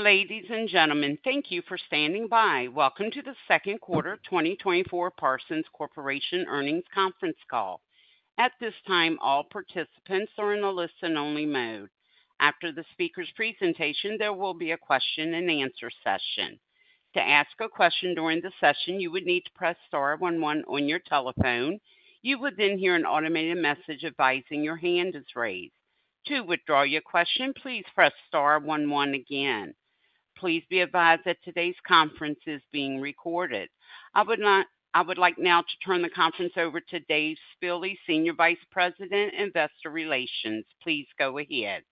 Ladies and gentlemen, thank you for standing by. Welcome to the second quarter 2024 Parsons Corporation Earnings Conference Call. At this time, all participants are in a listen-only mode. After the speaker's presentation, there will be a question-and-answer session. To ask a question during the session, you would need to press star one one on your telephone. You would then hear an automated message advising your hand is raised. To withdraw your question, please press star one one again. Please be advised that today's conference is being recorded. I would like now to turn the conference over to Dave Spille, Senior Vice President, Investor Relations. Please go ahead.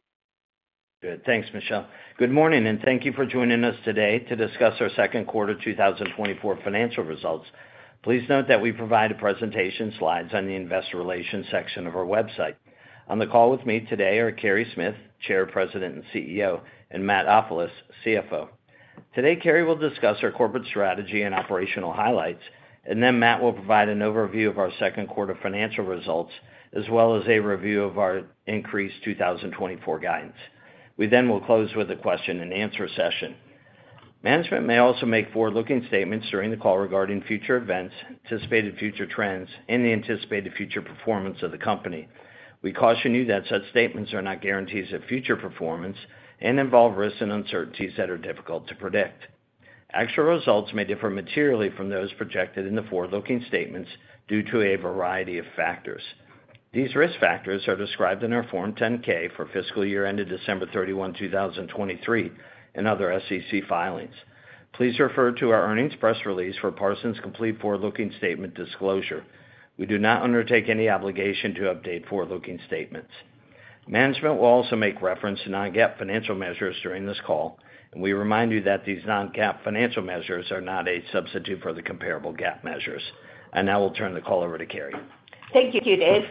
Good. Thanks, Michelle. Good morning, and thank you for joining us today to discuss our second quarter 2024 financial results. Please note that we provide presentation slides on the investor relations section of our website. On the call with me today are Carey Smith, Chair, President, and CEO, and Matt Ofilos, CFO. Today, Carey will discuss our corporate strategy and operational highlights, and then Matt will provide an overview of our second quarter 2024 financial results, as well as a review of our increased 2024 guidance. We then will close with a question and answer session. Management may also make forward-looking statements during the call regarding future events, anticipated future trends, and the anticipated future performance of the company. We caution you that such statements are not guarantees of future performance and involve risks and uncertainties that are difficult to predict. Actual results may differ materially from those projected in the forward-looking statements due to a variety of factors. These risk factors are described in our Form 10-K for fiscal year ended December 31, 2023, and other SEC filings. Please refer to our earnings press release for Parsons' complete forward-looking statement disclosure. We do not undertake any obligation to update forward-looking statements. Management will also make reference to non-GAAP financial measures during this call, and we remind you that these non-GAAP financial measures are not a substitute for the comparable GAAP measures. Now we'll turn the call over to Carey. Thank you, Dave.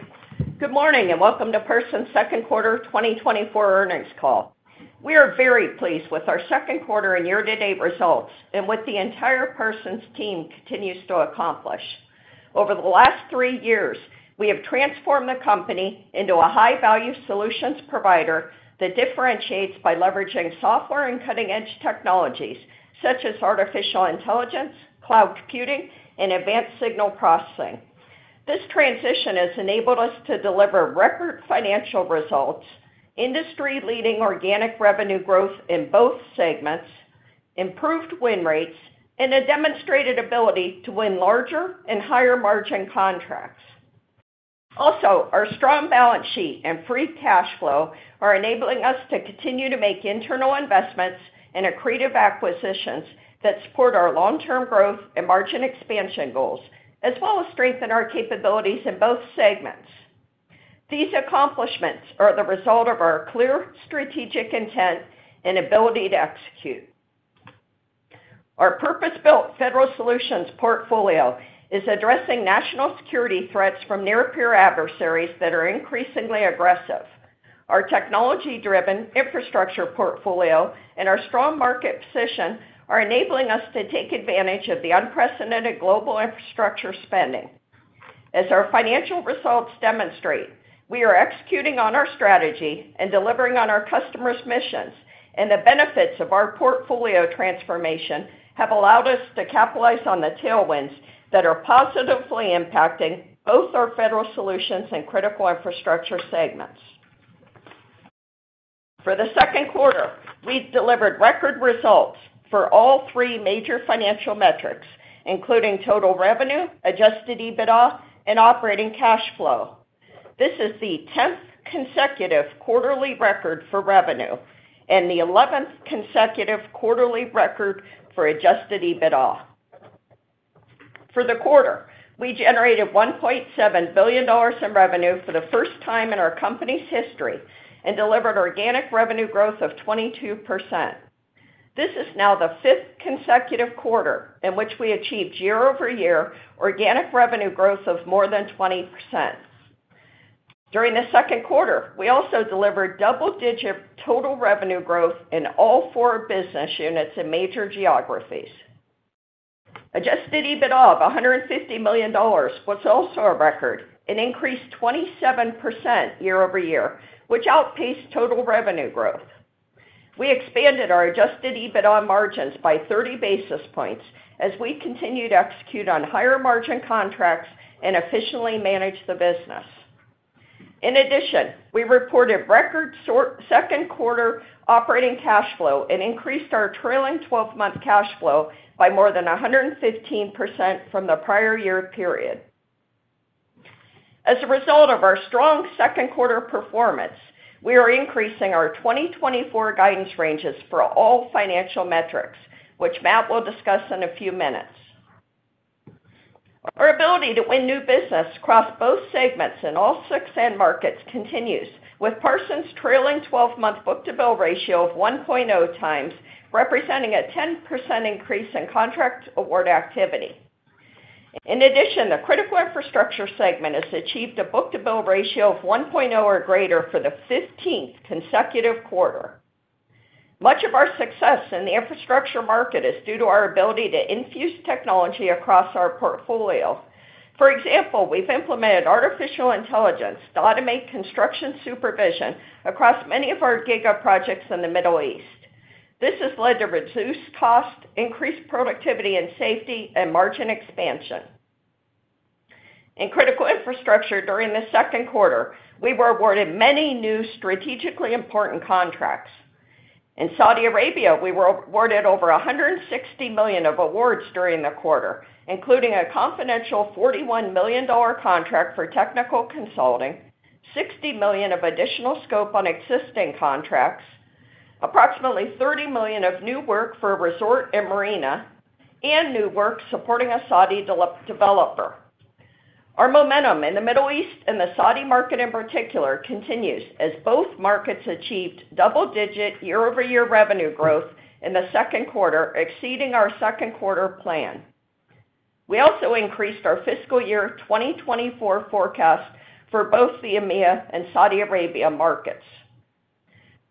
Good morning, and welcome to Parsons' second quarter 2024 earnings call. We are very pleased with our second quarter and year-to-date results and what the entire Parsons team continues to accomplish. Over the last three years, we have transformed the company into a high-value solutions provider that differentiates by leveraging software and cutting-edge technologies such as artificial intelligence, cloud computing, and advanced signal processing. This transition has enabled us to deliver record financial results, industry-leading organic revenue growth in both segments, improved win rates, and a demonstrated ability to win larger and higher-margin contracts. Also, our strong balance sheet and free cash flow are enabling us to continue to make internal investments and accretive acquisitions that support our long-term growth and margin expansion goals, as well as strengthen our capabilities in both segments. These accomplishments are the result of our clear strategic intent and ability to execute. Our purpose-built federal solutions portfolio is addressing national security threats from near-peer adversaries that are increasingly aggressive. Our technology-driven infrastructure portfolio and our strong market position are enabling us to take advantage of the unprecedented global infrastructure spending. As our financial results demonstrate, we are executing on our strategy and delivering on our customers' missions, and the benefits of our portfolio transformation have allowed us to capitalize on the tailwinds that are positively impacting both our federal solutions and critical infrastructure segments. For the second quarter, we've delivered record results for all three major financial metrics, including total revenue, adjusted EBITDA, and operating cash flow. This is the tenth consecutive quarterly record for revenue and the eleventh consecutive quarterly record for adjusted EBITDA. For the quarter, we generated $1.7 billion in revenue for the first time in our company's history and delivered organic revenue growth of 22%. This is now the fifth consecutive quarter in which we achieved year-over-year organic revenue growth of more than 20%. During the second quarter, we also delivered double-digit total revenue growth in all 4 business units and major geographies. Adjusted EBITDA of $150 million was also a record, an increase 27% year over year, which outpaced total revenue growth. We expanded our adjusted EBITDA margins by 30 basis points as we continue to execute on higher-margin contracts and efficiently manage the business. In addition, we reported record second quarter operating cash flow and increased our trailing twelve-month cash flow by more than 115% from the prior year period. As a result of our strong second quarter performance, we are increasing our 2024 guidance ranges for all financial metrics, which Matt will discuss in a few minutes. Our ability to win new business across both segments in all six end markets continues, with Parsons' trailing-twelve-month book-to-bill ratio of 1.0 times, representing a 10% increase in contract award activity. In addition, the critical infrastructure segment has achieved a book-to-bill ratio of 1.0 or greater for the 15th consecutive quarter. Much of our success in the infrastructure market is due to our ability to infuse technology across our portfolio. For example, we've implemented artificial intelligence to automate construction supervision across many of our giga projects in the Middle East. This has led to reduced costs, increased productivity and safety, and margin expansion. In critical infrastructure during the second quarter, we were awarded many new strategically important contracts. In Saudi Arabia, we were awarded over $160 million of awards during the quarter, including a confidential $41 million contract for technical consulting, $60 million of additional scope on existing contracts, approximately $30 million of new work for a resort and marina, and new work supporting a Saudi developer. Our momentum in the Middle East and the Saudi market in particular, continues as both markets achieved double-digit year-over-year revenue growth in the second quarter, exceeding our second quarter plan. We also increased our fiscal year 2024 forecast for both the EMEA and Saudi Arabia markets.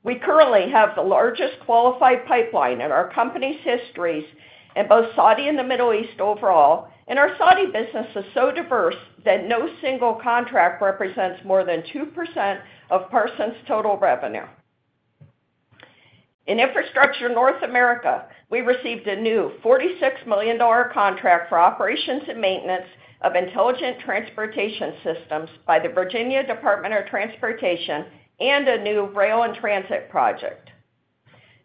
We currently have the largest qualified pipeline in our company's histories in both Saudi and the Middle East overall, and our Saudi business is so diverse that no single contract represents more than 2% of Parsons' total revenue. In infrastructure North America, we received a new $46 million contract for operations and maintenance of intelligent transportation systems by the Virginia Department of Transportation and a new rail and transit project.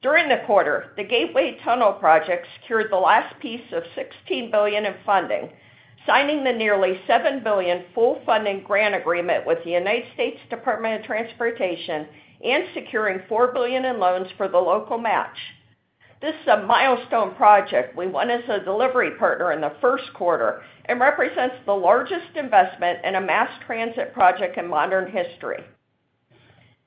During the quarter, the Gateway Tunnel Project secured the last piece of $16 billion in funding, signing the nearly $7 billion full funding grant agreement with the United States Department of Transportation and securing $4 billion in loans for the local match. This is a milestone project we won as a delivery partner in the first quarter and represents the largest investment in a mass transit project in modern history.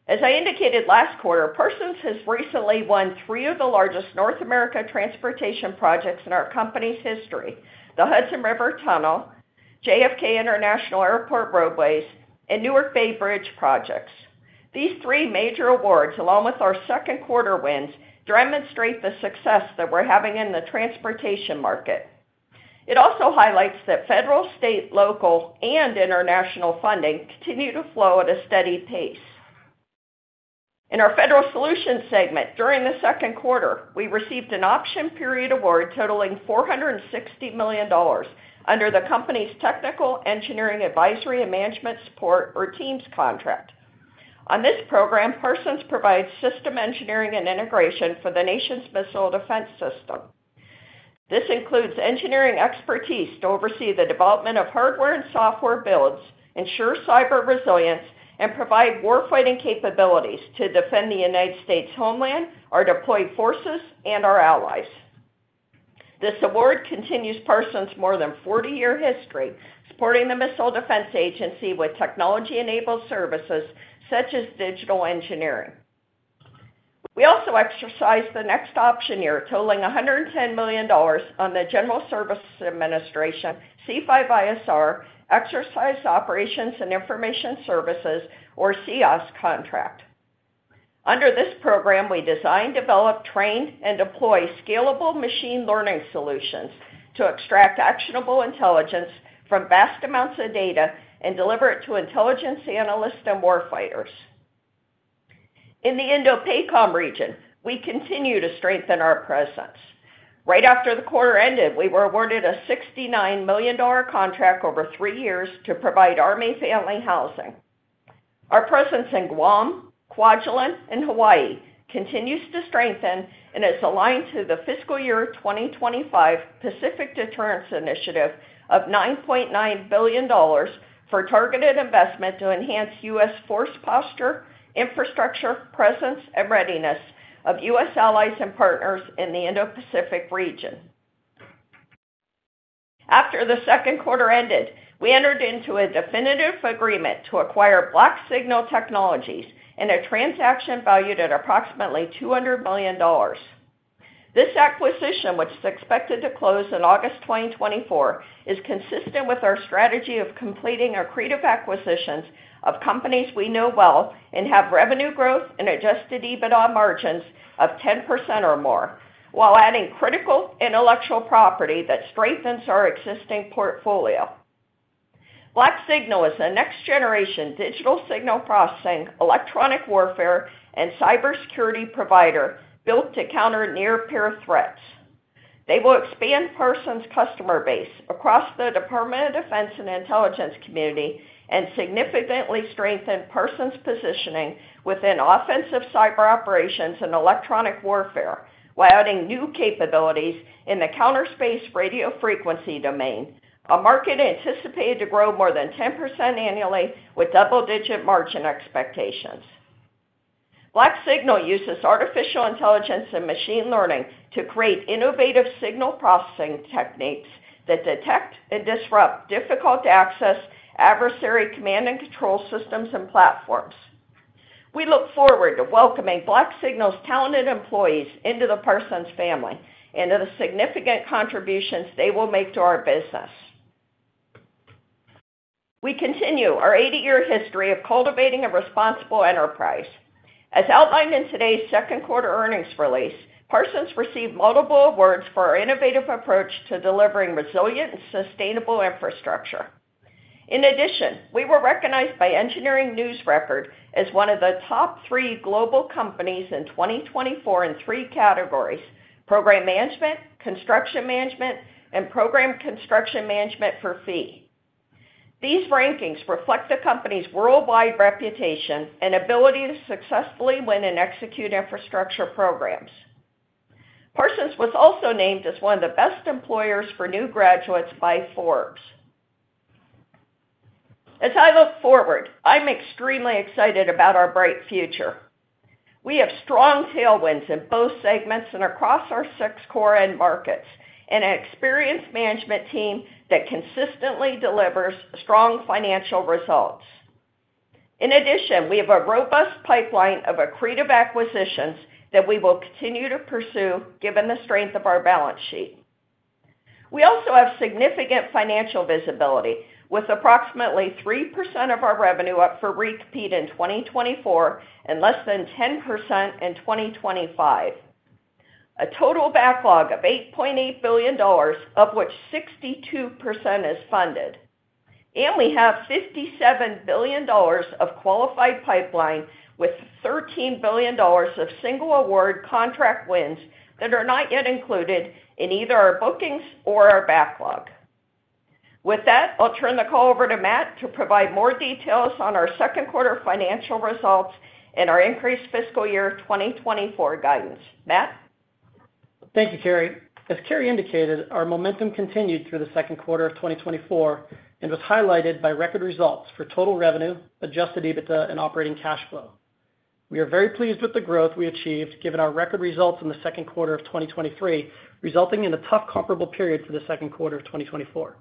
As I indicated last quarter, Parsons has recently won three of the largest North America transportation projects in our company's history: the Hudson River Tunnel, JFK International Airport roadways, and Newark Bay Bridge projects. These three major awards, along with our second quarter wins, demonstrate the success that we're having in the transportation market. It also highlights that federal, state, local, and international funding continue to flow at a steady pace. In our federal solutions segment, during the second quarter, we received an option period award totaling $460 million under the company's Technical Engineering Advisory and Management Support, or TEAMS contract. On this program, Parsons provides system engineering and integration for the nation's missile defense system. This includes engineering expertise to oversee the development of hardware and software builds, ensure cyber resilience, and provide warfighting capabilities to defend the United States homeland, our deployed forces, and our allies. This award continues Parsons' more than 40-year history, supporting the Missile Defense Agency with technology-enabled services, such as digital engineering. We also exercised the next option year, totaling $110 million on the General Services Administration, C5ISR, Exercise Operations and Information Services, or EOIS contract. Under this program, we design, develop, train, and deploy scalable machine learning solutions to extract actionable intelligence from vast amounts of data and deliver it to intelligence analysts and warfighters. In the INDOPACOM region, we continue to strengthen our presence. Right after the quarter ended, we were awarded a $69 million contract over 3 years to provide Army family housing. Our presence in Guam, Kwajalein, and Hawaii continues to strengthen and is aligned to the fiscal year 2025 Pacific Deterrence Initiative of $9.9 billion for targeted investment to enhance U.S. force posture, infrastructure, presence, and readiness of U.S. allies and partners in the Indo-Pacific region. After the second quarter ended, we entered into a definitive agreement to acquire BlackSignal Technologies in a transaction valued at approximately $200 million. This acquisition, which is expected to close in August 2024, is consistent with our strategy of completing accretive acquisitions of companies we know well and have revenue growth and Adjusted EBITDA margins of 10% or more, while adding critical intellectual property that strengthens our existing portfolio. BlackSignal is a next-generation digital signal processing, electronic warfare, and cybersecurity provider built to counter near-peer threats. They will expand Parsons' customer base across the Department of Defense and intelligence community, and significantly strengthen Parsons' positioning within offensive cyber operations and electronic warfare, while adding new capabilities in the counterspace radio frequency domain, a market anticipated to grow more than 10% annually with double-digit margin expectations. BlackSignal uses artificial intelligence and machine learning to create innovative signal processing techniques that detect and disrupt difficult-to-access adversary command and control systems and platforms. We look forward to welcoming BlackSignal's talented employees into the Parsons family and the significant contributions they will make to our business. We continue our 80-year history of cultivating a responsible enterprise. As outlined in today's second quarter earnings release, Parsons received multiple awards for our innovative approach to delivering resilient and sustainable infrastructure.... In addition, we were recognized by Engineering News-Record as one of the top three global companies in 2024 in three categories: program management, construction management, and program construction management for fee. These rankings reflect the company's worldwide reputation and ability to successfully win and execute infrastructure programs. Parsons was also named as one of the best employers for new graduates by Forbes. As I look forward, I'm extremely excited about our bright future. We have strong tailwinds in both segments and across our six core end markets, and an experienced management team that consistently delivers strong financial results. In addition, we have a robust pipeline of accretive acquisitions that we will continue to pursue, given the strength of our balance sheet. We also have significant financial visibility, with approximately 3% of our revenue up for repeat in 2024, and less than 10% in 2025, a total backlog of $8.8 billion, of which 62% is funded, and we have $57 billion of qualified pipeline, with $13 billion of single award contract wins that are not yet included in either our bookings or our backlog. With that, I'll turn the call over to Matt to provide more details on our second quarter financial results and our increased fiscal year 2024 guidance. Matt? Thank you, Carey. As Carey indicated, our momentum continued through the second quarter of 2024 and was highlighted by record results for total revenue, adjusted EBITDA, and operating cash flow. We are very pleased with the growth we achieved, given our record results in the second quarter of 2023, resulting in a tough, comparable period for the second quarter of 2024.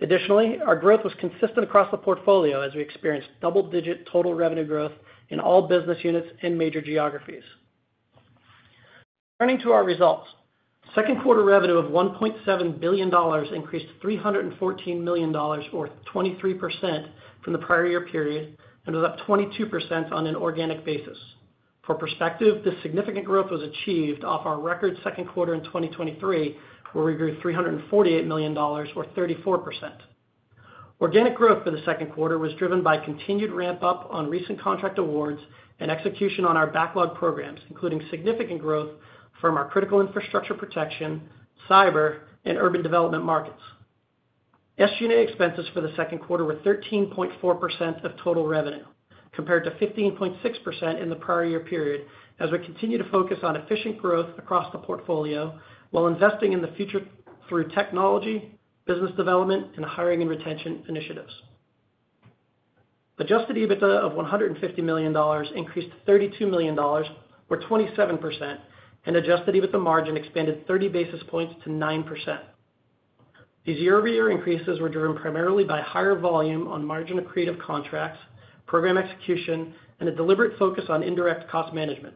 Additionally, our growth was consistent across the portfolio as we experienced double-digit total revenue growth in all business units and major geographies. Turning to our results. Second quarter revenue of $1.7 billion increased $314 million, or 23%, from the prior year period, and was up 22% on an organic basis. For perspective, this significant growth was achieved off our record second quarter in 2023, where we grew $348 million, or 34%. Organic growth for the second quarter was driven by continued ramp-up on recent contract awards and execution on our backlog programs, including significant growth from our critical infrastructure protection, cyber, and urban development markets. SG&A expenses for the second quarter were 13.4% of total revenue, compared to 15.6% in the prior year period, as we continue to focus on efficient growth across the portfolio while investing in the future through technology, business development, and hiring and retention initiatives. Adjusted EBITDA of $150 million increased to $32 million, or 27%, and adjusted EBITDA margin expanded 30 basis points to 9%. These year-over-year increases were driven primarily by higher volume on margin accretive contracts, program execution, and a deliberate focus on indirect cost management.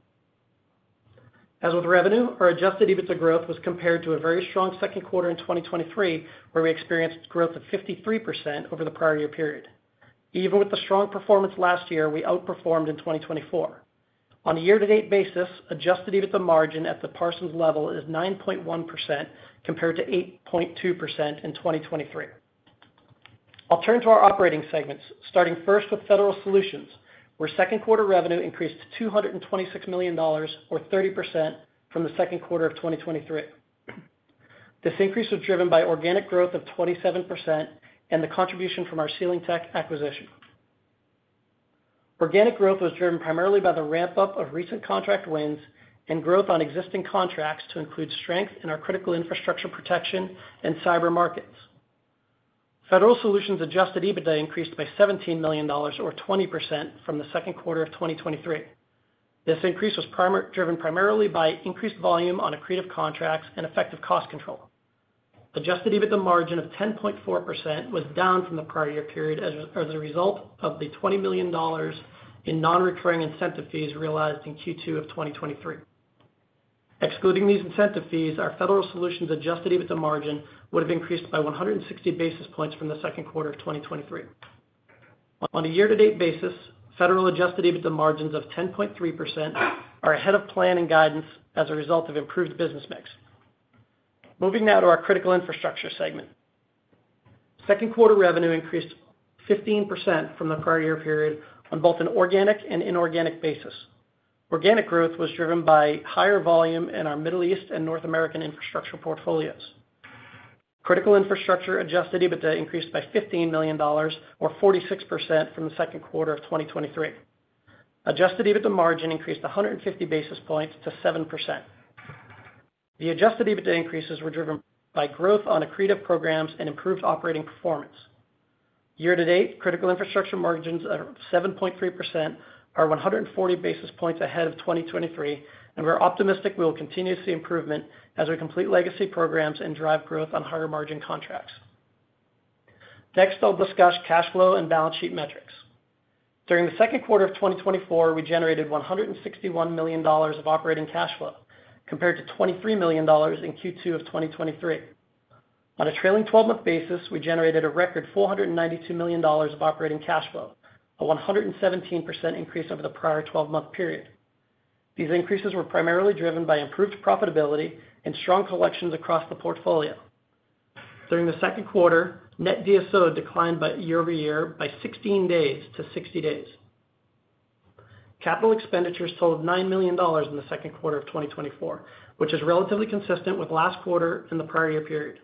As with revenue, our Adjusted EBITDA growth was compared to a very strong second quarter in 2023, where we experienced growth of 53% over the prior year period. Even with the strong performance last year, we outperformed in 2024. On a year-to-date basis, Adjusted EBITDA margin at the Parsons level is 9.1%, compared to 8.2% in 2023. I'll turn to our operating segments, starting first with Federal Solutions, where second quarter revenue increased to $226 million, or 30%, from the second quarter of 2023. This increase was driven by organic growth of 27% and the contribution from our SealingTech acquisition. Organic growth was driven primarily by the ramp-up of recent contract wins and growth on existing contracts to include strength in our critical infrastructure protection and cyber markets. Federal Solutions adjusted EBITDA increased by $17 million, or 20%, from the second quarter of 2023. This increase was primarily driven by increased volume on accretive contracts and effective cost control. Adjusted EBITDA margin of 10.4% was down from the prior year period as a result of the $20 million in non-recurring incentive fees realized in Q2 of 2023. Excluding these incentive fees, our Federal Solutions adjusted EBITDA margin would have increased by 160 basis points from the second quarter of 2023. On a year-to-date basis, Federal adjusted EBITDA margins of 10.3% are ahead of plan and guidance as a result of improved business mix. Moving now to our critical infrastructure segment. Second quarter revenue increased 15% from the prior year period on both an organic and inorganic basis. Organic growth was driven by higher volume in our Middle East and North American infrastructure portfolios. Critical infrastructure Adjusted EBITDA increased by $15 million, or 46%, from the second quarter of 2023. Adjusted EBITDA margin increased 150 basis points to 7%. The Adjusted EBITDA increases were driven by growth on accretive programs and improved operating performance. Year to date, critical infrastructure margins are at 7.3%, are 140 basis points ahead of 2023, and we're optimistic we will continue to see improvement as we complete legacy programs and drive growth on higher-margin contracts. Next, I'll discuss cash flow and balance sheet metrics. During the second quarter of 2024, we generated $161 million of operating cash flow, compared to $23 million in Q2 of 2023. On a trailing twelve-month basis, we generated a record $492 million of operating cash flow, a 117% increase over the prior twelve-month period. These increases were primarily driven by improved profitability and strong collections across the portfolio. During the second quarter, net DSO declined by, year-over-year, by 16 days - 60 days. Capital expenditures totaled $9 million in the second quarter of 2024, which is relatively consistent with last quarter and the prior year period.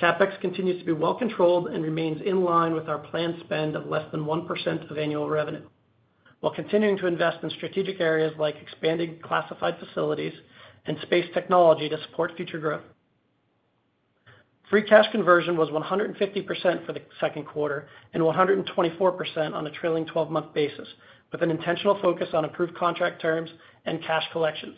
CapEx continues to be well controlled and remains in line with our planned spend of less than 1% of annual revenue, while continuing to invest in strategic areas like expanding classified facilities and space technology to support future growth. Free cash conversion was 150% for the second quarter and 124% on a trailing twelve-month basis, with an intentional focus on improved contract terms and cash collections.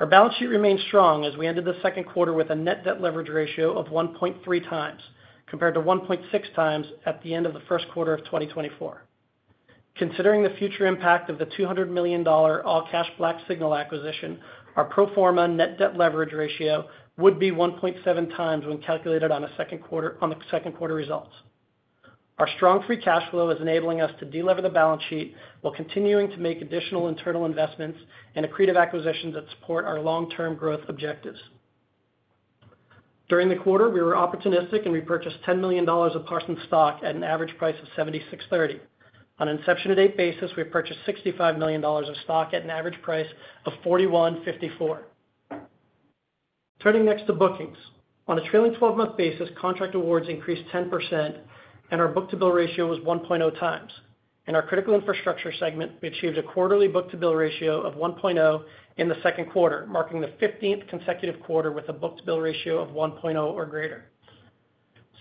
Our balance sheet remains strong as we ended the second quarter with a net debt leverage ratio of 1.3 times, compared to 1.6 times at the end of the first quarter of 2024. Considering the future impact of the $200 million all-cash BlackSignal acquisition, our pro forma net debt leverage ratio would be 1.7 times when calculated on the second quarter results. Our strong free cash flow is enabling us to delever the balance sheet while continuing to make additional internal investments and accretive acquisitions that support our long-term growth objectives. During the quarter, we were opportunistic, and we purchased $10 million of Parsons stock at an average price of $76.30. On an inception-to-date basis, we purchased $65 million of stock at an average price of $41.54. Turning next to bookings. On a trailing 12-month basis, contract awards increased 10%, and our book-to-bill ratio was 1.0x. In our Critical Infrastructure segment, we achieved a quarterly book-to-bill ratio of 1.0 in the second quarter, marking the 15th consecutive quarter with a book-to-bill ratio of 1.0 or greater.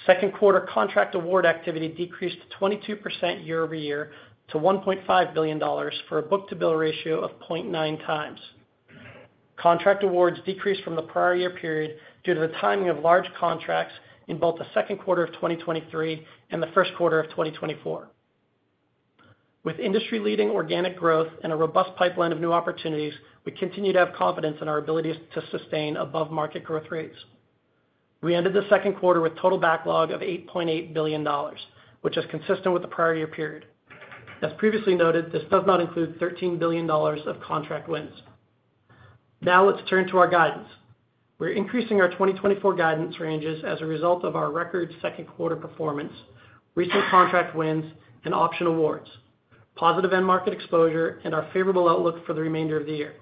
Second quarter contract award activity decreased 22% year-over-year to $1.5 billion, for a book-to-bill ratio of 0.9x. Contract awards decreased from the prior year period due to the timing of large contracts in both the second quarter of 2023 and the first quarter of 2024. With industry-leading organic growth and a robust pipeline of new opportunities, we continue to have confidence in our ability to sustain above-market growth rates. We ended the second quarter with total backlog of $8.8 billion, which is consistent with the prior year period. As previously noted, this does not include $13 billion of contract wins. Now, let's turn to our guidance. We're increasing our 2024 guidance ranges as a result of our record second quarter performance, recent contract wins and option awards, positive end market exposure, and our favorable outlook for the remainder of the year.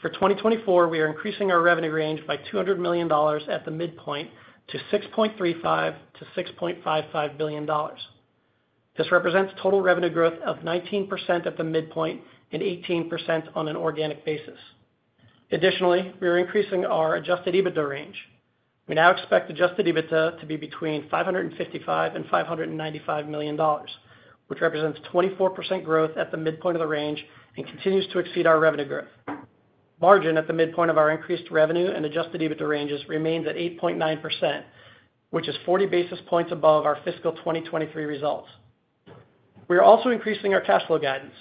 For 2024, we are increasing our revenue range by $200 million at the midpoint to $6.35 billion-$6.55 billion. This represents total revenue growth of 19% at the midpoint and 18% on an organic basis. Additionally, we are increasing our Adjusted EBITDA range. We now expect Adjusted EBITDA to be between $555 million-$595 million, which represents 24% growth at the midpoint of the range and continues to exceed our revenue growth. Margin at the midpoint of our increased revenue and Adjusted EBITDA ranges remains at 8.9%, which is 40 basis points above our fiscal 2023 results. We are also increasing our cash flow guidance.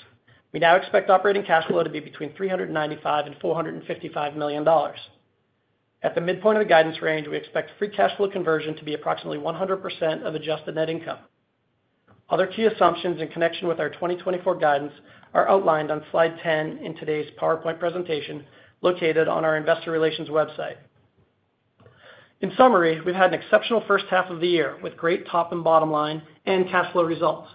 We now expect operating cash flow to be between $395 million-$455 million. At the midpoint of the guidance range, we expect free cash flow conversion to be approximately 100% of adjusted net income. Other key assumptions in connection with our 2024 guidance are outlined on slide 10 in today's PowerPoint presentation, located on our investor relations website. In summary, we've had an exceptional first half of the year, with great top and bottom line and cash flow results.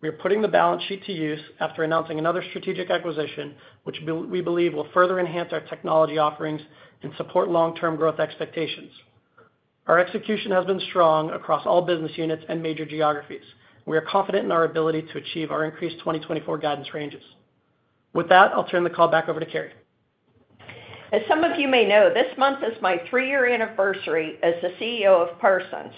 We are putting the balance sheet to use after announcing another strategic acquisition, which we believe will further enhance our technology offerings and support long-term growth expectations. Our execution has been strong across all business units and major geographies. We are confident in our ability to achieve our increased 2024 guidance ranges. With that, I'll turn the call back over to Carey. As some of you may know, this month is my three-year anniversary as the CEO of Parsons.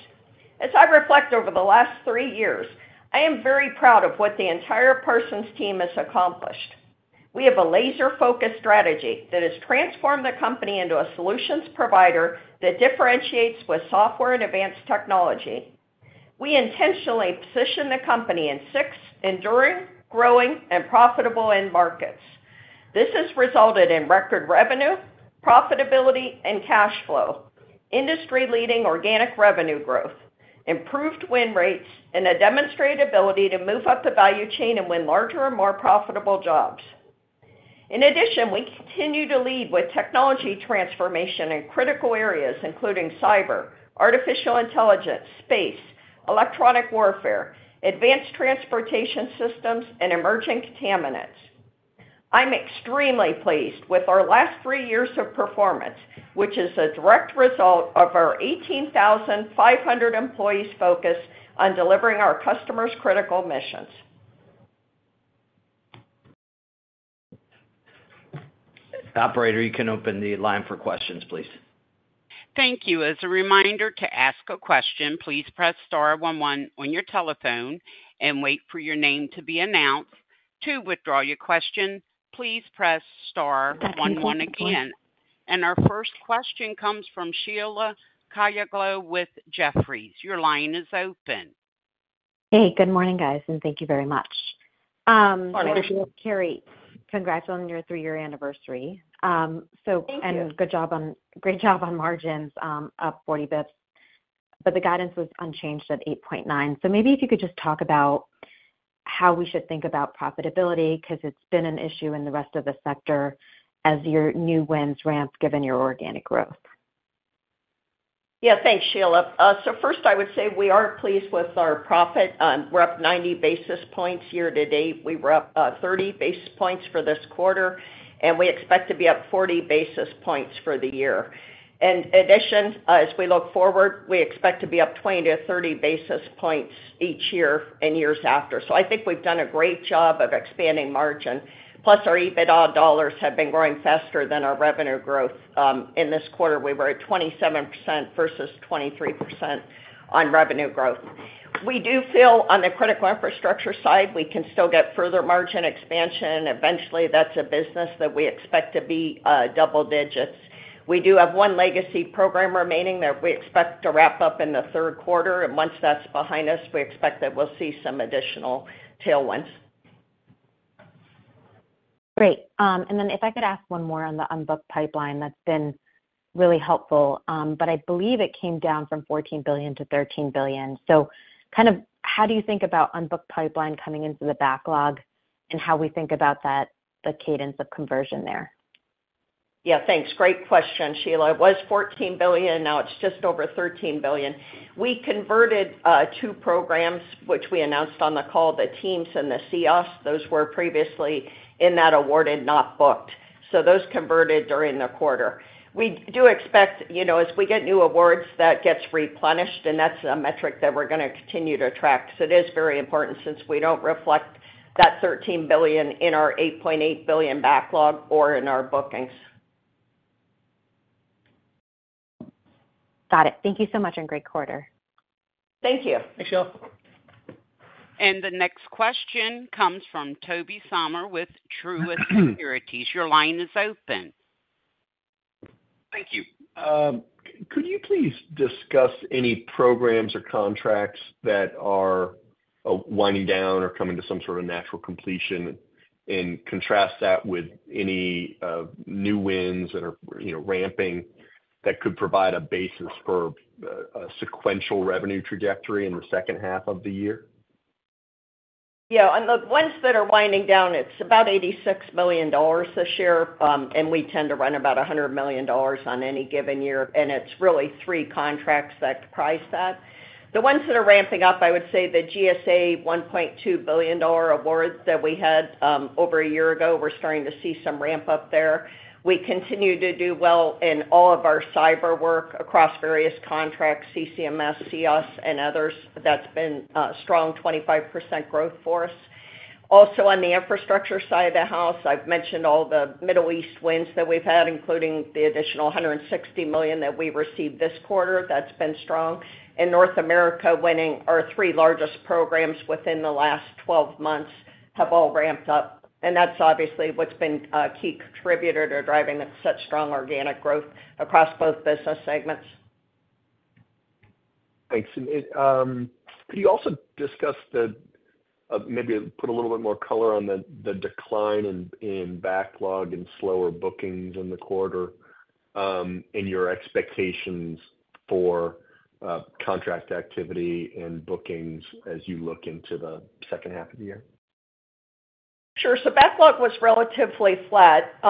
As I reflect over the last three years, I am very proud of what the entire Parsons team has accomplished. We have a laser-focused strategy that has transformed the company into a solutions provider that differentiates with software and advanced technology. We intentionally position the company in six enduring, growing, and profitable end markets. This has resulted in record revenue, profitability, and cash flow, industry-leading organic revenue growth, improved win rates, and a demonstrated ability to move up the value chain and win larger and more profitable jobs. In addition, we continue to lead with technology transformation in critical areas, including cyber, artificial intelligence, space, electronic warfare, advanced transportation systems, and emerging contaminants. I'm extremely pleased with our last three years of performance, which is a direct result of our 18,500 employees' focus on delivering our customers' critical missions. Operator, you can open the line for questions, please. Thank you. As a reminder to ask a question, please press star one one on your telephone and wait for your name to be announced. To withdraw your question, please press star one one again. And our first question comes from Sheila Kahyaoglu with Jefferies. Your line is open. Hey, good morning, guys, and thank you very much. Morning. Carey, congrats on your three-year anniversary. So- Thank you. Good job on, great job on margins up 40 basis points, but the guidance was unchanged at 8.9 basis points. So maybe if you could just talk about how we should think about profitability, because it's been an issue in the rest of the sector as your new wins ramp, given your organic growth. Yeah, thanks, Sheila. So first, I would say we are pleased with our profit. We're up 90 basis points year to date. We were up 30 basis points for this quarter, and we expect to be up 40 basis points for the year. In addition, as we look forward, we expect to be up 20-30 basis points each year and years after. So I think we've done a great job of expanding margin, plus our EBITDA dollars have been growing faster than our revenue growth. In this quarter, we were at 27% versus 23% on revenue growth. We do feel on the critical infrastructure side, we can still get further margin expansion. Eventually, that's a business that we expect to be double digits. We do have one legacy program remaining that we expect to wrap up in the third quarter, and once that's behind us, we expect that we'll see some additional tailwinds. Great. And then if I could ask one more on the unbooked pipeline, that's been really helpful, but I believe it came down from $14 billion-$13 billion. So kind of how do you think about unbooked pipeline coming into the backlog and how we think about that, the cadence of conversion there? Yeah, thanks. Great question, Sheila. It was $14 billion, now it's just over $13 billion. We converted two programs, which we announced on the call, the TEAMS and the EOIS. Those were previously in that awarded, not booked, so those converted during the quarter. We do expect, you know, as we get new awards, that gets replenished, and that's a metric that we're gonna continue to track. So it is very important since we don't reflect that $13 billion in our $8.8 billion backlog or in our bookings. Got it. Thank you so much, and great quarter. Thank you. Thanks, Sheila. The next question comes from Tobey Sommer with Truist Securities. Your line is open. Thank you. Could you please discuss any programs or contracts that are winding down or coming to some sort of natural completion, and contrast that with any new wins that are, you know, ramping, that could provide a basis for a sequential revenue trajectory in the second half of the year? Yeah, on the ones that are winding down, it's about $86 million this year, and we tend to run about $100 million on any given year, and it's really three contracts that comprise that. The ones that are ramping up, I would say the GSA $1.2 billion award that we had over a year ago, we're starting to see some ramp-up there. We continue to do well in all of our cyber work across various contracts, CCMS, EOIS and others. That's been a strong 25% growth for us. Also, on the infrastructure side of the house, I've mentioned all the Middle East wins that we've had, including the additional $160 million that we received this quarter. That's been strong. In North America, winning our three largest programs within the last 12 months have all ramped up, and that's obviously what's been a key contributor to driving such strong organic growth across both business segments. Thanks. Could you also discuss the, maybe put a little bit more color on the decline in backlog and slower bookings in the quarter, and your expectations for contract activity and bookings as you look into the second half of the year? Sure. So backlog was relatively flat.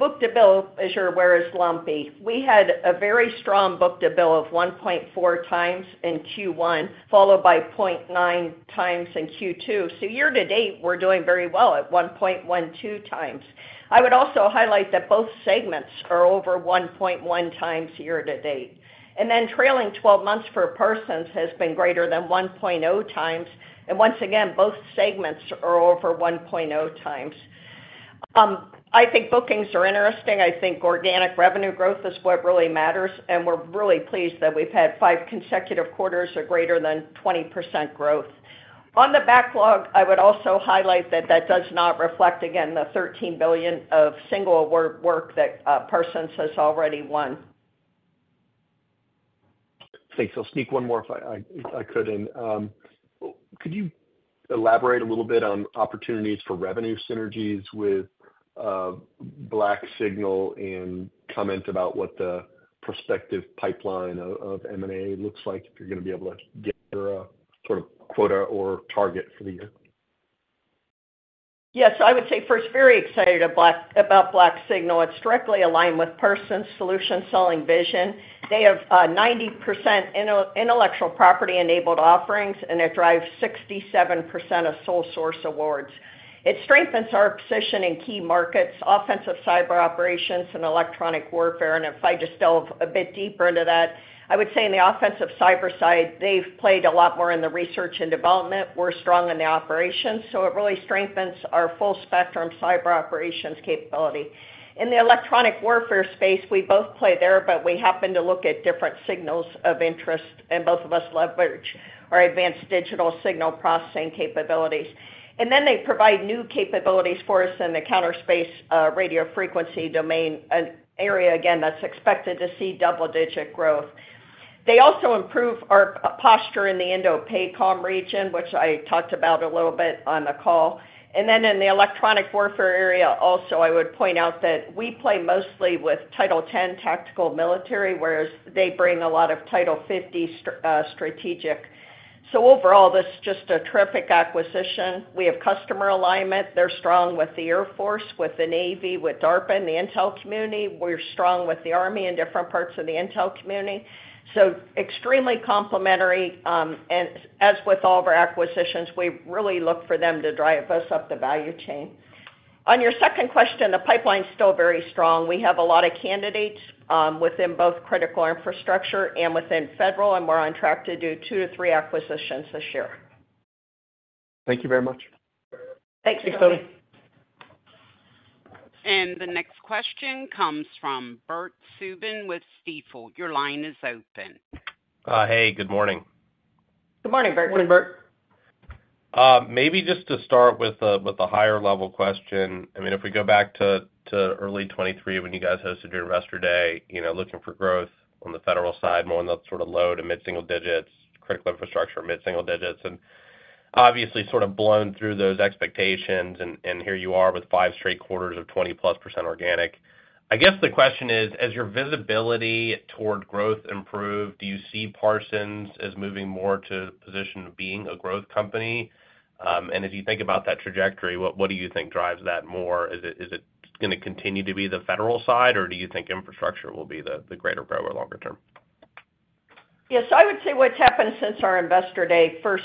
Book-to-bill, as you're aware, is lumpy. We had a very strong book-to-bill of 1.4 times in Q1, followed by 0.9 times in Q2. So year to date, we're doing very well at 1.12 times. I would also highlight that both segments are over 1.1 times year to date. And then trailing twelve months for Parsons has been greater than 1.0 times, and once again, both segments are over 1.0 times. I think bookings are interesting. I think organic revenue growth is what really matters, and we're really pleased that we've had five consecutive quarters of greater than 20% growth. On the backlog, I would also highlight that that does not reflect, again, the $13 billion of single award work that Parsons has already won. Thanks. I'll sneak one more if I could. And, could you elaborate a little bit on opportunities for revenue synergies with BlackSignal and comment about what the prospective pipeline of M&A looks like, if you're gonna be able to get your sort of quota or target for the year? Yes. So I would say first, very excited about, about BlackSignal. It's directly aligned with Parsons' solution selling vision. They have, uh, 90% intellectual property-enabled offerings, and it drives 67% of sole source awards. It strengthens our position in key markets, offensive cyber operations and electronic warfare. And if I just delve a bit deeper into that, I would say in the offensive cyber side, they've played a lot more in the research and development. We're strong in the operations, so it really strengthens our full spectrum cyber operations capability. In the electronic warfare space, we both play there, but we happen to look at different signals of interest, and both of us leverage our advanced digital signal processing capabilities. And then they provide new capabilities for us in the counter space, radio frequency domain, an area, again, that's expected to see double-digit growth. They also improve our posture in the INDOPACOM region, which I talked about a little bit on the call. And then in the electronic warfare area also, I would point out that we play mostly with Title 10 tactical military, whereas they bring a lot of Title 50 strategic. So overall, this is just a terrific acquisition. We have customer alignment. They're strong with the Air Force, with the Navy, with DARPA, and the intel community. We're strong with the Army and different parts of the intel community. So extremely complementary, and as with all of our acquisitions, we really look for them to drive us up the value chain. On your second question, the pipeline's still very strong. We have a lot of candidates within both critical infrastructure and within federal, and we're on track to do 2-3 acquisitions this year. Thank you very much. Thanks, Tobey. The next question comes from Bert Subin with Stifel. Your line is open. Hey, good morning. Good morning, Bert. Good morning, Bert. Maybe just to start with a higher-level question. I mean, if we go back to early 2023, when you guys hosted your Investor Day, you know, looking for growth on the federal side, more on the sort of low- to mid-single digits, critical infrastructure, mid-single digits, and obviously sort of blown through those expectations, and here you are with 5 straight quarters of +20% organic. I guess the question is, as your visibility toward growth improved, do you see Parsons as moving more to the position of being a growth company? And if you think about that trajectory, what do you think drives that more? Is it gonna continue to be the federal side, or do you think infrastructure will be the greater driver longer term? Yes, I would say what's happened since our Investor Day, first,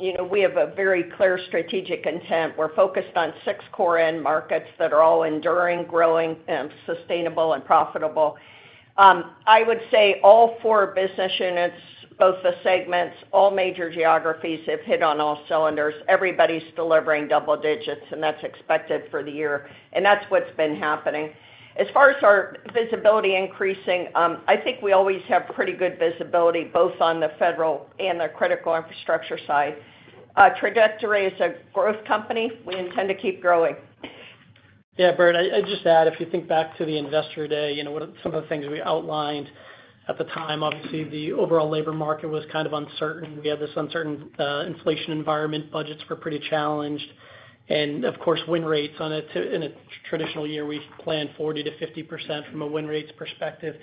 you know, we have a very clear strategic intent. We're focused on six core end markets that are all enduring, growing, and sustainable and profitable. I would say all four business units, both the segments, all major geographies have hit on all cylinders. Everybody's delivering double digits, and that's expected for the year, and that's what's been happening. As far as our visibility increasing, I think we always have pretty good visibility, both on the federal and the critical infrastructure side. Trajectory is a growth company. We intend to keep growing. Yeah, Bert, I'd just add, if you think back to the Investor Day, you know, what are some of the things we outlined at the time, obviously, the overall labor market was kind of uncertain. We had this uncertain inflation environment. Budgets were pretty challenged, and of course, win rates in a traditional year, we plan 40%-50% from a win rates perspective.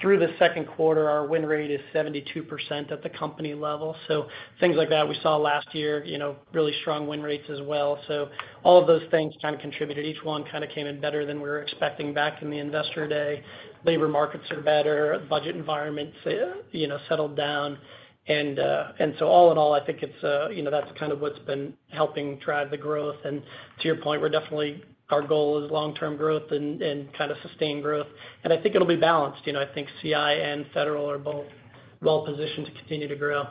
Through the second quarter, our win rate is 72% at the company level. So things like that, we saw last year, you know, really strong win rates as well. So all of those things kind of contributed. Each one kind of came in better than we were expecting back in the Investor Day. Labor markets are better, budget environments, you know, settled down, and so all in all, I think it's, you know, that's kind of what's been helping drive the growth. And to your point, we're definitely- our goal is long-term growth and, and kind of sustained growth, and I think it'll be balanced. You know, I think CI and federal are both well positioned to continue to grow.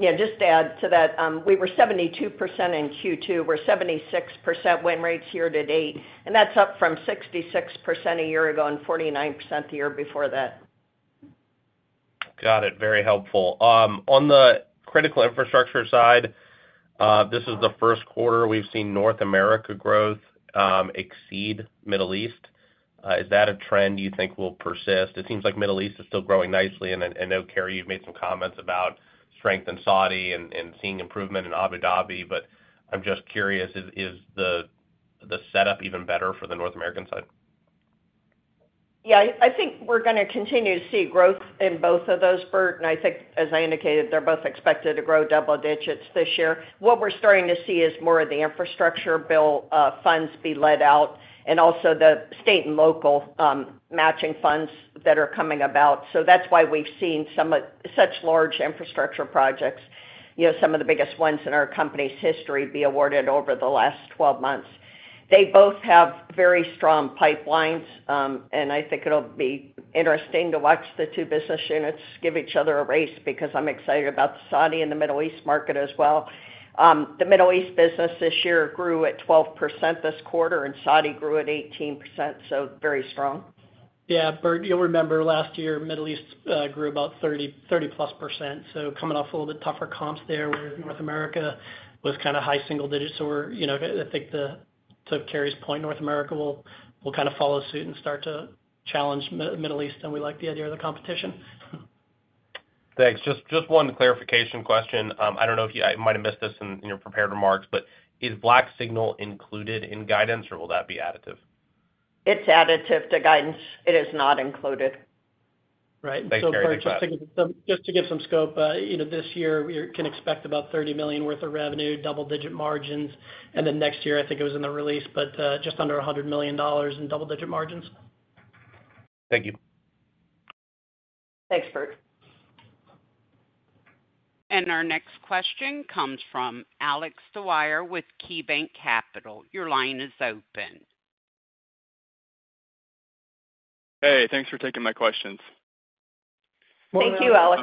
Yeah, just to add to that, we were 72% in Q2. We're 76% win rates year to date, and that's up from 66% a year ago and 49% the year before that. Got it. Very helpful. On the critical infrastructure side, this is the first quarter we've seen North America growth exceed Middle East. Is that a trend you think will persist? It seems like Middle East is still growing nicely, and I know, Carey, you've made some comments about strength in Saudi and seeing improvement in Abu Dhabi, but I'm just curious, is the setup even better for the North American side? Yeah, I, I think we're gonna continue to see growth in both of those, Bert, and I think, as I indicated, they're both expected to grow double digits this year. What we're starting to see is more of the infrastructure bill, funds be let out and also the state and local, matching funds that are coming about. So that's why we've seen some of-- such large infrastructure projects, you know, some of the biggest ones in our company's history, be awarded over the last 12 months. They both have very strong pipelines, and I think it'll be interesting to watch the two business units give each other a race, because I'm excited about the Saudi and the Middle East market as well. The Middle East business this year grew at 12% this quarter, and Saudi grew at 18%, so very strong. Yeah, Bert, you'll remember last year, Middle East grew about 30, +30%, so coming off a little bit tougher comps there, whereas North America was kind of high single digits. So we're, you know, I think, to Carey's point, North America will kind of follow suit and start to challenge Middle East, and we like the idea of the competition. Thanks. Just one clarification question. I don't know if you—I might have missed this in your prepared remarks, but is BlackSignal included in guidance, or will that be additive? It's additive to guidance. It is not included. Right. So Bert, just to give it some, just to give some scope, you know, this year, we can expect about $30 million worth of revenue, double-digit margins, and then next year, I think it was in the release, but, just under $100 million dollars in double-digit margins. Thank you. Thanks, Bert. Our next question comes from Alex Dwyer with KeyBanc Capital. Your line is open. Hey, thanks for taking my questions. Thank you, Alex.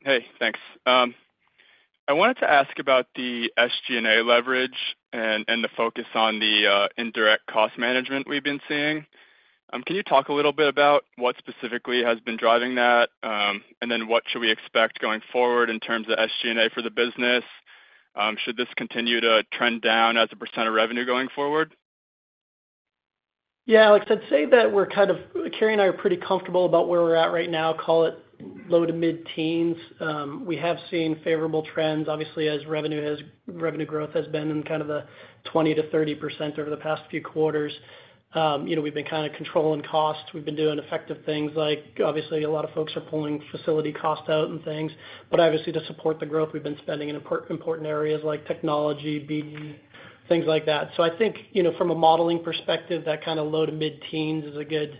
Hey, thanks. I wanted to ask about the SG&A leverage and the focus on the indirect cost management we've been seeing. Can you talk a little bit about what specifically has been driving that? And then what should we expect going forward in terms of SG&A for the business? Should this continue to trend down as a percent of revenue going forward?... Yeah, Alex, I'd say that we're kind of, Carey and I are pretty comfortable about where we're at right now, call it low to mid-teens. We have seen favorable trends, obviously, as revenue growth has been in kind of the 20%-30% over the past few quarters. You know, we've been kind of controlling costs. We've been doing effective things like, obviously, a lot of folks are pulling facility costs out and things. But obviously, to support the growth, we've been spending in important areas like technology, BD, things like that. So I think, you know, from a modeling perspective, that kind of low to mid-teens is a good,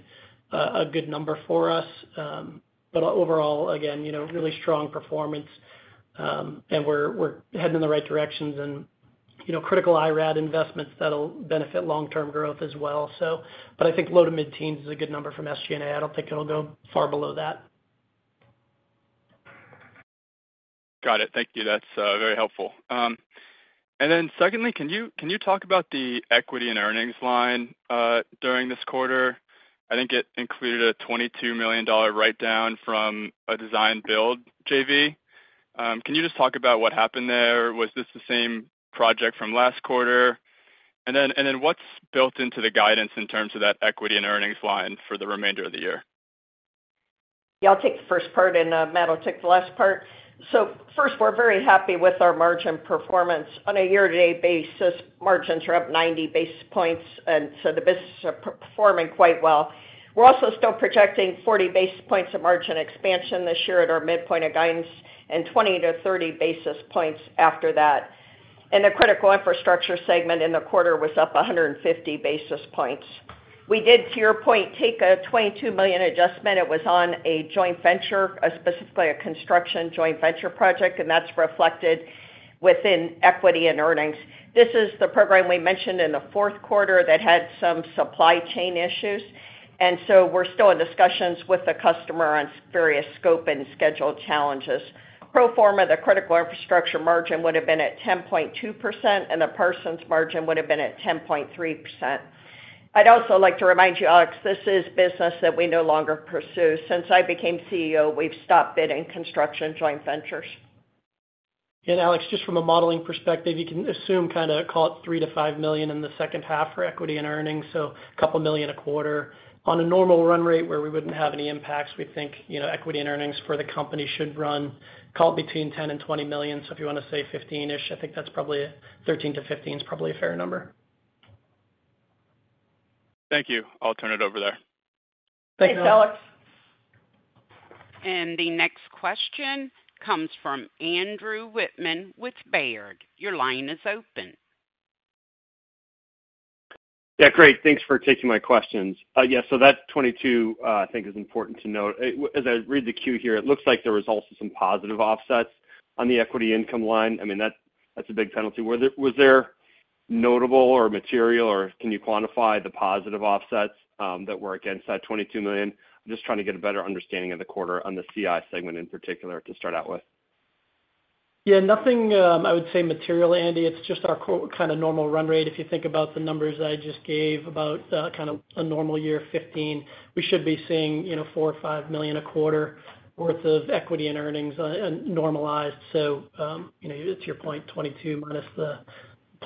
a good number for us. But overall, again, you know, really strong performance, and we're, we're heading in the right directions and, you know, critical IRAD investments that'll benefit long-term growth as well, so. But I think low to mid-teens is a good number from SG&A. I don't think it'll go far below that. Got it. Thank you. That's very helpful. And then secondly, can you talk about the equity and earnings line during this quarter? I think it included a $22 million write-down from a design build JV. Can you just talk about what happened there? Was this the same project from last quarter? And then what's built into the guidance in terms of that equity and earnings line for the remainder of the year? Yeah, I'll take the first part, and Matt will take the last part. So first, we're very happy with our margin performance. On a year-to-date basis, margins are up 90 basis points, and so the business are performing quite well. We're also still projecting 40 basis points of margin expansion this year at our midpoint of guidance and 20-30 basis points after that. And the critical infrastructure segment in the quarter was up 150 basis points. We did, to your point, take a $22 million adjustment. It was on a joint venture, specifically a construction joint venture project, and that's reflected within equity in earnings. This is the program we mentioned in the fourth quarter that had some supply chain issues, and so we're still in discussions with the customer on various scope and schedule challenges. Pro forma, the Critical Infrastructure margin would have been at 10.2%, and the Parsons margin would have been at 10.3%. I'd also like to remind you, Alex, this is business that we no longer pursue. Since I became CEO, we've stopped bidding construction joint ventures. And Alex, just from a modeling perspective, you can assume kind of, call it $3 million-$5 million in the second half for equity in earnings, so a couple million a quarter. On a normal run rate where we wouldn't have any impacts, we think, you know, equity in earnings for the company should run, call it, between $10 million-$20 million. So if you want to say 15-ish, I think that's probably, 13-15 is probably a fair number. Thank you. I'll turn it over there. Thanks, Alex. The next question comes from Andrew Wittmann with Baird. Your line is open. Yeah, great. Thanks for taking my questions. Yeah, so that 22, I think is important to note. As I read the queue here, it looks like there was also some positive offsets on the equity income line. I mean, that's, that's a big penalty. Were there, was there notable or material, or can you quantify the positive offsets, that were against that $22 million? I'm just trying to get a better understanding of the quarter on the CI segment in particular, to start out with. Yeah, nothing, I would say material, Andy. It's just our kind of normal run rate. If you think about the numbers I just gave about, kind of a normal year, 15, we should be seeing, you know, $4 million-$5 million a quarter worth of equity in earnings, and normalized. So, you know, to your point, 22- the,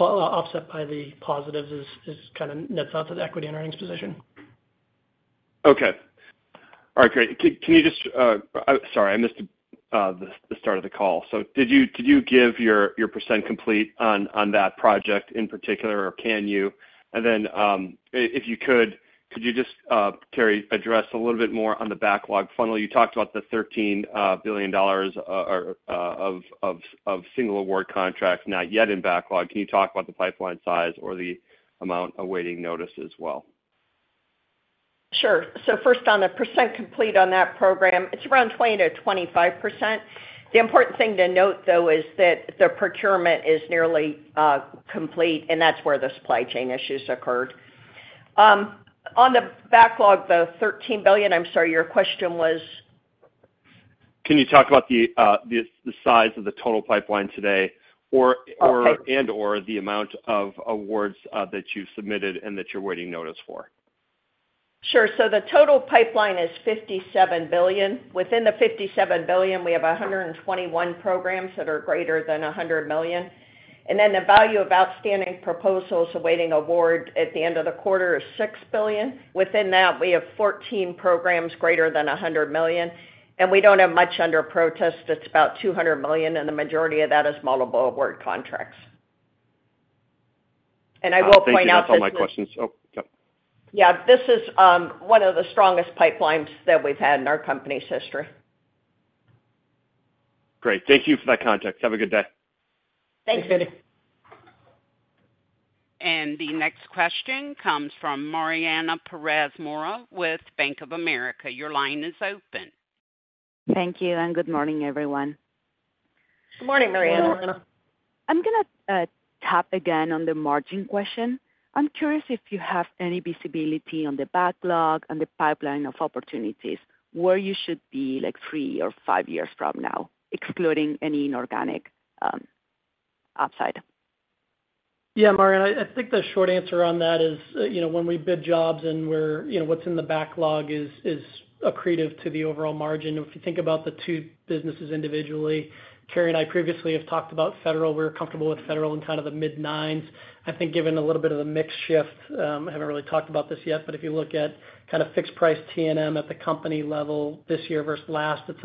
offset by the positives is, is kind of nets out to the equity in earnings position. Okay. All right, great. Can you just... Sorry, I missed the start of the call. So did you give your percent complete on that project in particular, or can you? And then, if you could, Carey, address a little bit more on the backlog funnel? You talked about the $13 billion or so of single award contracts not yet in backlog. Can you talk about the pipeline size or the amount awaiting notice as well? Sure. So first, on the percent complete on that program, it's around 20%-25%. The important thing to note, though, is that the procurement is nearly complete, and that's where the supply chain issues occurred. On the backlog, the $13 billion, I'm sorry, your question was? Can you talk about the size of the total pipeline today, or- Okay. - and/or the amount of awards that you've submitted and that you're waiting notice for? Sure. So the total pipeline is $57 billion. Within the $57 billion, we have 121 programs that are greater than $100 million. And then the value of outstanding proposals awaiting award at the end of the quarter is $6 billion. Within that, we have 14 programs greater than $100 million, and we don't have much under protest. It's about $200 million, and the majority of that is multiple award contracts. And I will point out that this is- Thank you. That's all my questions. Oh, yep. Yeah, this is one of the strongest pipelines that we've had in our company's history. Great. Thank you for that context. Have a good day. Thanks, Andy. The next question comes from Mariana Perez Mora with Bank of America. Your line is open. Thank you, and good morning, everyone. Good morning, Mariana. I'm gonna tap again on the margin question. I'm curious if you have any visibility on the backlog and the pipeline of opportunities, where you should be, like, three or five years from now, excluding any inorganic upside?... Yeah, Mariana, I think the short answer on that is, you know, when we bid jobs and we're, you know, what's in the backlog is accretive to the overall margin. If you think about the two businesses individually, Carey and I previously have talked about federal. We're comfortable with federal in kind of the mid-nines. I think given a little bit of a mix shift, I haven't really talked about this yet, but if you look at kind of fixed price T&M at the company level this year versus last, it's,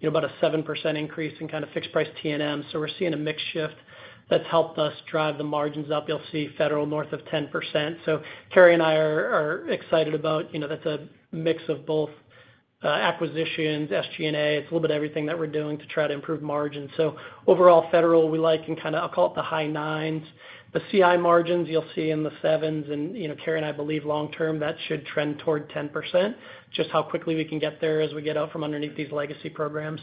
you know, about a 7% increase in kind of fixed price T&M. So we're seeing a mix shift that's helped us drive the margins up. You'll see federal north of 10%. So Carey and I are excited about, you know, that's a mix of both, acquisitions, SG&A. It's a little bit everything that we're doing to try to improve margins. So overall, federal, we like and kind of I'll call it the high nines. The CI margins, you'll see in the sevens, and, you know, Carey and I believe long term, that should trend toward 10%, just how quickly we can get there as we get out from underneath these legacy programs.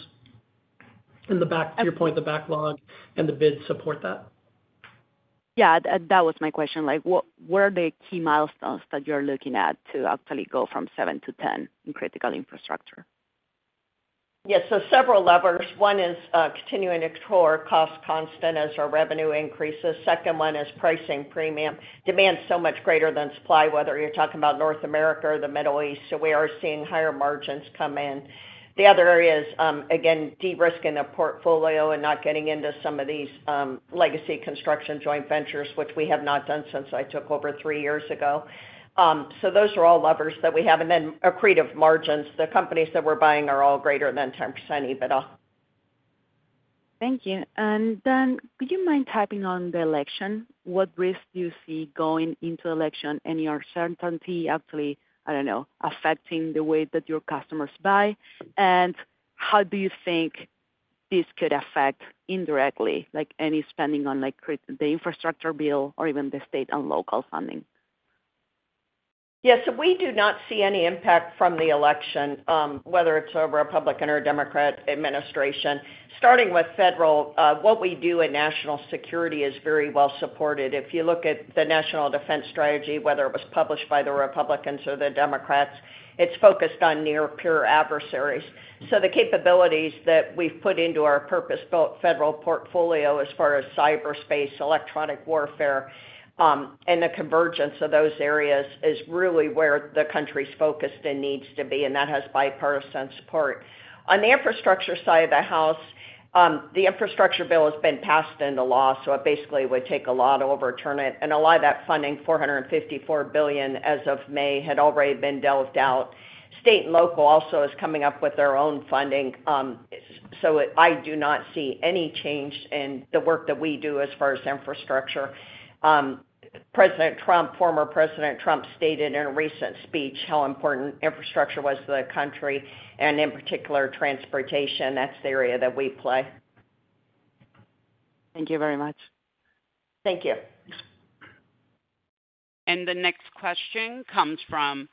In the backlog, to your point, the backlog and the bids support that. Yeah, that, that was my question. Like, what, what are the key milestones that you're looking at to actually go from 7 to 10 in critical infrastructure? Yes, so several levers. One is continuing to control our cost constant as our revenue increases. Second one is pricing premium. Demand's so much greater than supply, whether you're talking about North America or the Middle East, so we are seeing higher margins come in. The other area is, again, de-risking the portfolio and not getting into some of these, legacy construction joint ventures, which we have not done since I took over three years ago. So those are all levers that we have, and then accretive margins. The companies that we're buying are all greater than 10% EBITDA. Thank you. And then, do you mind touching on the election? What risks do you see going into the election and uncertainty actually, I don't know, affecting the way that your customers buy? And how do you think this could affect indirectly, like, the infrastructure bill or even the state and local funding? Yes, so we do not see any impact from the election, whether it's over a Republican or a Democrat administration. Starting with federal, what we do in national security is very well supported. If you look at the National Defense Strategy, whether it was published by the Republicans or the Democrats, it's focused on near-peer adversaries. So the capabilities that we've put into our purpose-built federal portfolio as far as cyberspace, electronic warfare, and the convergence of those areas, is really where the country's focused and needs to be, and that has bipartisan support. On the infrastructure side of the house, the infrastructure bill has been passed into law, so it basically would take a lot to overturn it. A lot of that funding, $454 billion as of May, had already been doled out. State and local also is coming up with their own funding, so I do not see any change in the work that we do as far as infrastructure. President Trump, former President Trump, stated in a recent speech how important infrastructure was to the country, and in particular, transportation. That's the area that we play. Thank you very much. Thank you. The next question comes from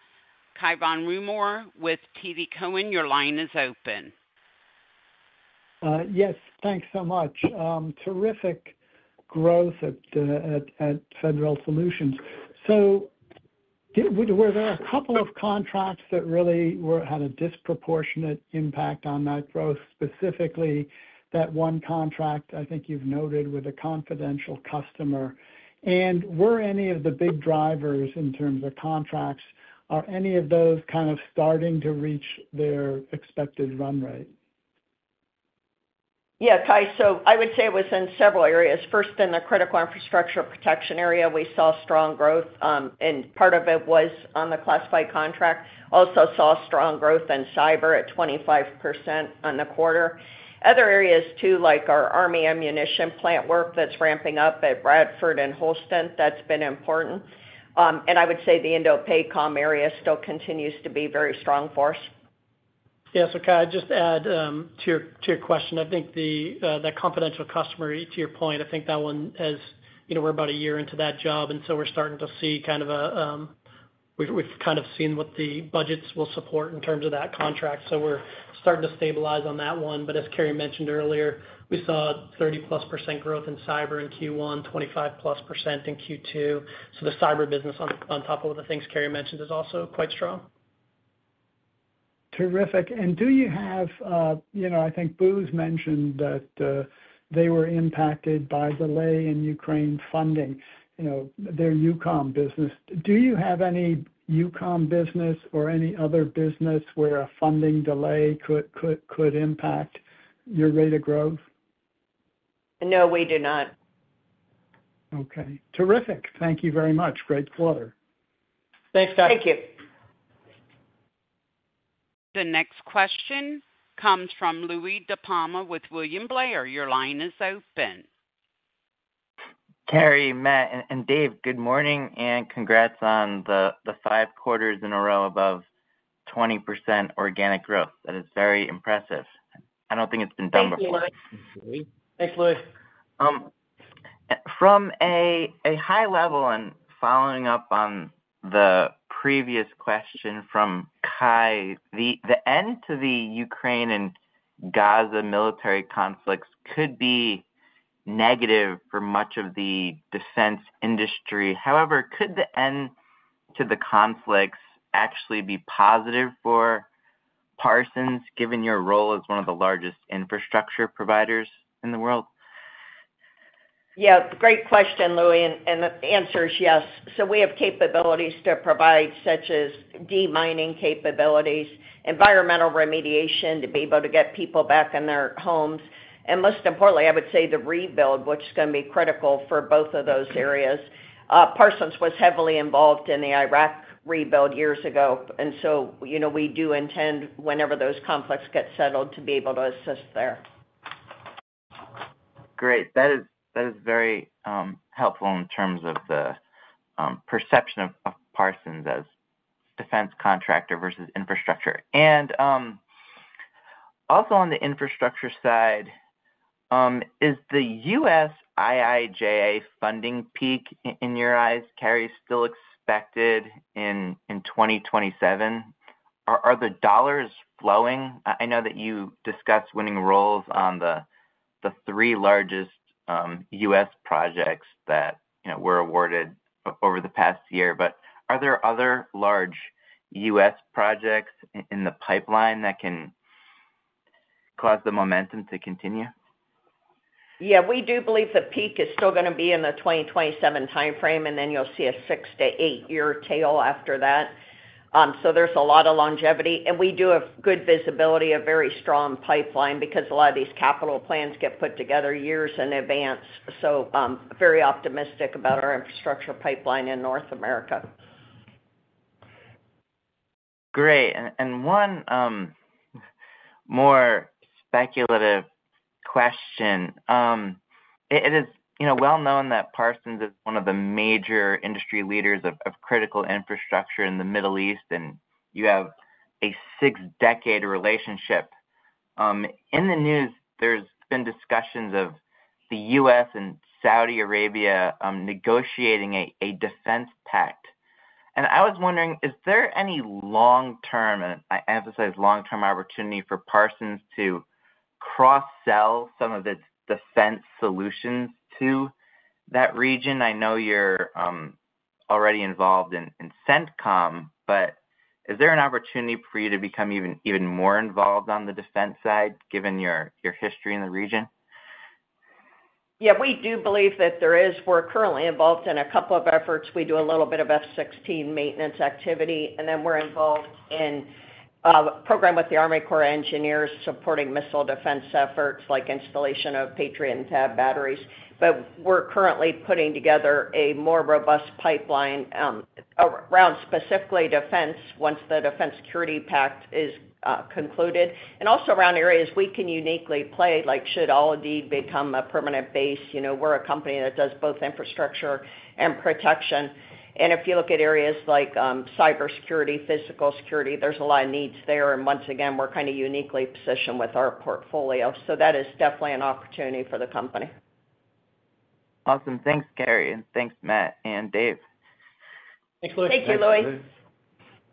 Cai von Rumohr with TD Cowen. Your line is open. Yes, thanks so much. Terrific growth at Federal Solutions. So were there a couple of contracts that really had a disproportionate impact on that growth, specifically that one contract, I think you've noted, with a confidential customer? And were any of the big drivers in terms of contracts, are any of those kind of starting to reach their expected run rate? Yeah, Cai. So I would say it was in several areas. First, in the critical infrastructure protection area, we saw strong growth, and part of it was on the classified contract. Also saw strong growth in cyber at 25% on the quarter. Other areas, too, like our Army ammunition plant work that's ramping up at Radford and Holston, that's been important. And I would say the INDOPACOM area still continues to be very strong for us. Yeah, so can I just add to your, to your question? I think the confidential customer, to your point, I think that one has, you know, we're about a year into that job, and so we're starting to see kind of a... We've kind of seen what the budgets will support in terms of that contract, so we're starting to stabilize on that one. But as Carey mentioned earlier, we saw 30%+ growth in cyber in Q1, 25%+ in Q2. So the cyber business on, on top of the things Carey mentioned, is also quite strong. Terrific. Do you have, you know, I think Booz mentioned that they were impacted by delay in Ukraine funding, you know, their EUCOM business. Do you have any EUCOM business or any other business where a funding delay could impact your rate of growth? No, we do not. Okay. Terrific. Thank you very much. Great quarter. Thanks, Cai. Thank you. The next question comes from Louie DiPalma with William Blair. Your line is open. Carey, Matt, and Dave, good morning, and congrats on the five quarters in a row above 20% organic growth. That is very impressive. I don't think it's been done before. Thank you, Louie. Thanks, Louie. From a high level, and following up on the previous question from Cai, the end to the Ukraine and Gaza military conflicts could be negative for much of the defense industry. However, could the end to the conflicts actually be positive for-... Parsons, given your role as one of the largest infrastructure providers in the world? Yeah, great question, Louie, and, and the answer is yes. So we have capabilities to provide, such as de-mining capabilities, environmental remediation, to be able to get people back in their homes, and most importantly, I would say the rebuild, which is going to be critical for both of those areas. Parsons was heavily involved in the Iraq rebuild years ago, and so, you know, we do intend, whenever those conflicts get settled, to be able to assist there. Great. That is very helpful in terms of the perception of Parsons as defense contractor versus infrastructure. And also on the infrastructure side, is the U.S. IIJA funding peak, in your eyes, Carey, still expected in 2027? Are the dollars flowing? I know that you discussed winning roles on the three largest U.S. projects that, you know, were awarded over the past year, but are there other large U.S. projects in the pipeline that can cause the momentum to continue? Yeah, we do believe the peak is still going to be in the 2027 timeframe, and then you'll see a 6-8-year tail after that. So there's a lot of longevity, and we do have good visibility, a very strong pipeline, because a lot of these capital plans get put together years in advance. So, very optimistic about our infrastructure pipeline in North America. Great. And one more speculative question. It is, you know, well known that Parsons is one of the major industry leaders of critical infrastructure in the Middle East, and you have a six-decade relationship. In the news, there's been discussions of the U.S. and Saudi Arabia negotiating a defense pact. And I was wondering, is there any long-term, and I emphasize long-term, opportunity for Parsons to cross-sell some of its defense solutions to that region? I know you're already involved in CENTCOM, but is there an opportunity for you to become even more involved on the defense side, given your history in the region? Yeah, we do believe that there is. We're currently involved in a couple of efforts. We do a little bit of F-16 maintenance activity, and then we're involved in a program with the Army Corps of Engineers, supporting missile defense efforts, like installation of Patriot and THAAD batteries. But we're currently putting together a more robust pipeline around specifically defense, once the defense security pact is concluded, and also around areas we can uniquely play, like should Al Udeid become a permanent base, you know, we're a company that does both infrastructure and protection. And if you look at areas like cybersecurity, physical security, there's a lot of needs there, and once again, we're kind of uniquely positioned with our portfolio. So that is definitely an opportunity for the company. Awesome. Thanks, Carey, and thanks, Matt and Dave. Thanks, Louie. Thank you, Louie.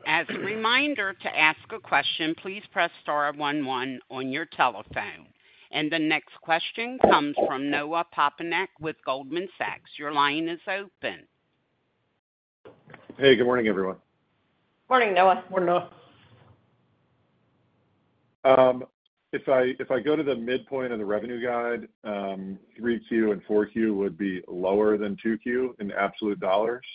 As a reminder, to ask a question, please press star one one on your telephone. The next question comes from Noah Poponak with Goldman Sachs. Your line is open. Hey, good morning, everyone. Morning, Noah. Morning, Noah. If I go to the midpoint of the revenue guide, 3Q and 4Q would be lower than 2Q in absolute dollars.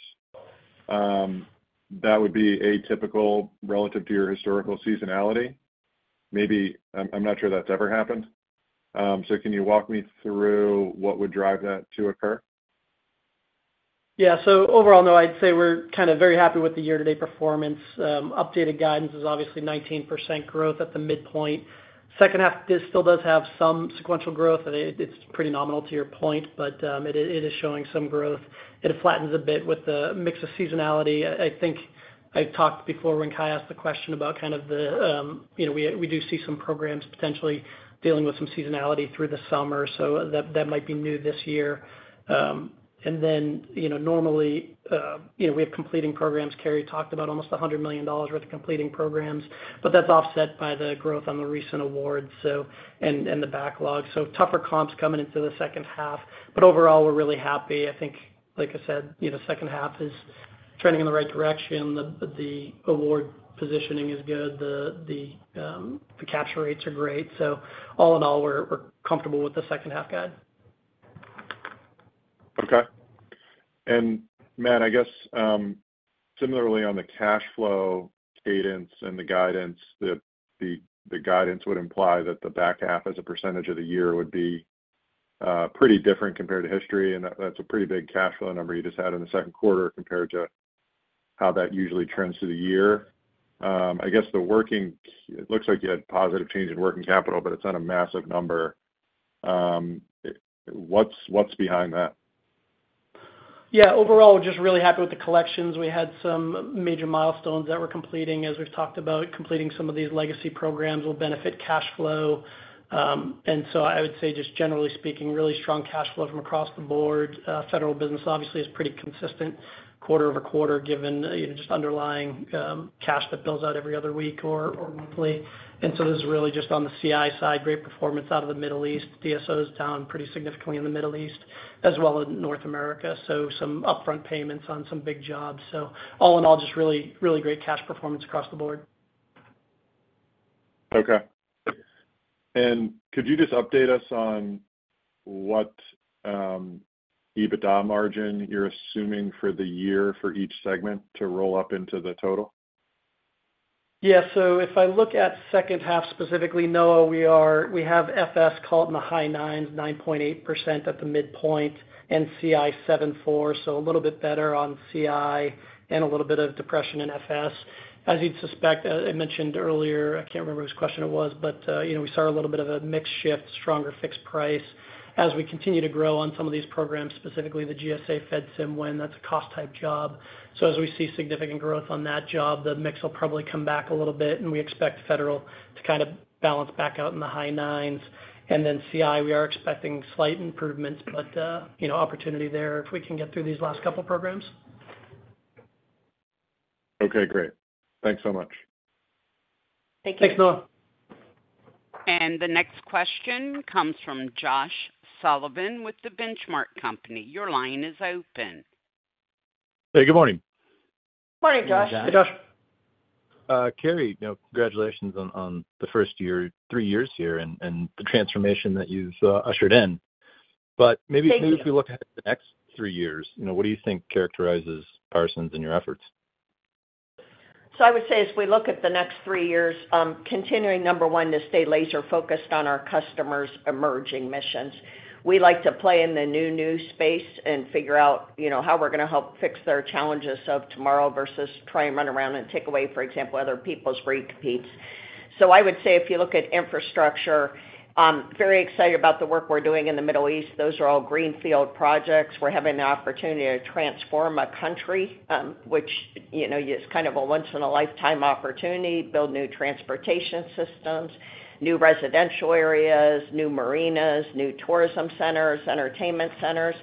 That would be atypical relative to your historical seasonality. Maybe, I'm not sure that's ever happened. So can you walk me through what would drive that to occur? Yeah, so overall, Noah, I'd say we're kind of very happy with the year-to-date performance. Updated guidance is obviously 19% growth at the midpoint. Second half still does have some sequential growth. It's pretty nominal to your point, but it is showing some growth. It flattens a bit with the mix of seasonality. I think I talked before when Cai asked the question about kind of the, you know, we do see some programs potentially dealing with some seasonality through the summer, so that might be new this year. And then, you know, normally, we have completing programs. Carey talked about almost $100 million worth of completing programs, but that's offset by the growth on the recent awards, so and the backlog. So tougher comps coming into the second half. But overall, we're really happy. I think, like I said, you know, second half is trending in the right direction. The award positioning is good. The capture rates are great. So all in all, we're comfortable with the second half guide. Okay. And Matt, I guess, similarly on the cash flow cadence and the guidance, the guidance would imply that the back half as a percentage of the year would be pretty different compared to history, and that's a pretty big cash flow number you just had in the second quarter compared to how that usually trends through the year. I guess the working... It looks like you had positive change in working capital, but it's not a massive number. What's behind that? Yeah. Overall, we're just really happy with the collections. We had some major milestones that we're completing. As we've talked about, completing some of these legacy programs will benefit cash flow. And so I would say, just generally speaking, really strong cash flow from across the board. Federal business obviously is pretty consistent quarter over quarter, given, you know, just underlying, cash that bills out every other week or monthly. And so this is really just on the CI side, great performance out of the Middle East. DSO is down pretty significantly in the Middle East, as well as North America, so some upfront payments on some big jobs. So all in all, just really, really great cash performance across the board.... Okay. And could you just update us on what EBITDA margin you're assuming for the year for each segment to roll up into the total? Yeah. So if I look at second half, specifically, Noah, we are, we have FS caught in the high nines, 9.8% at the midpoint, and CI 7.4, so a little bit better on CI and a little bit of depression in FS. As you'd suspect, I mentioned earlier, I can't remember whose question it was, but you know, we saw a little bit of a mix shift, stronger fixed price as we continue to grow on some of these programs, specifically the GSA FEDSIM win. That's a cost type job. So as we see significant growth on that job, the mix will probably come back a little bit, and we expect federal to kind of balance back out in the high nines. And then CI, we are expecting slight improvements, but, you know, opportunity there if we can get through these last couple programs. Okay, great. Thanks so much. Thank you. Thanks, Noah. The next question comes from Josh Sullivan with The Benchmark Company. Your line is open. Hey, good morning. Morning, Josh. Hey, Josh. Carey, you know, congratulations on the first three years here and the transformation that you've ushered in. Thank you. Maybe as we look at the next three years, you know, what do you think characterizes Parsons and your efforts? So I would say, as we look at the next three years, continuing, number one, to stay laser focused on our customers' emerging missions. We like to play in the new, new space and figure out, you know, how we're gonna help fix their challenges of tomorrow versus try and run around and take away, for example, other people's great competes. So I would say, if you look at infrastructure, I'm very excited about the work we're doing in the Middle East. Those are all greenfield projects. We're having the opportunity to transform a country, which, you know, is kind of a once in a lifetime opportunity. Build new transportation systems, new residential areas, new marinas, new tourism centers, entertainment centers.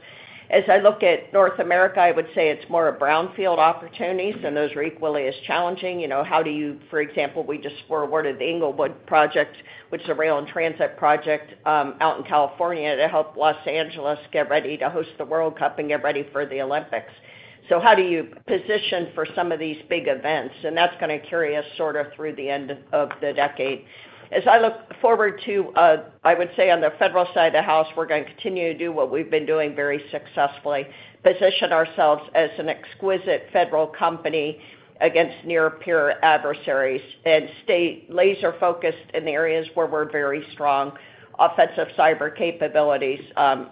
As I look at North America, I would say it's more a brownfield opportunity, and those are equally as challenging. You know, how do you... For example, we just were awarded the Inglewood project, which is a rail and transit project out in California, to help Los Angeles get ready to host the World Cup and get ready for the Olympics. So how do you position for some of these big events? And that's gonna carry us sort of through the end of the decade. As I look forward to, I would say on the federal side of the house, we're gonna continue to do what we've been doing very successfully, position ourselves as an exquisite federal company against near peer adversaries and stay laser focused in the areas where we're very strong. Offensive cyber capabilities,